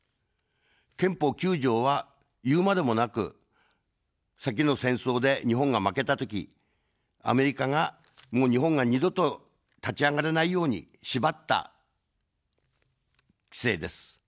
憲法９条は、言うまでもなく、先の戦争で日本が負けたとき、アメリカが、もう日本が二度と立ち上がれないように縛ったせいです。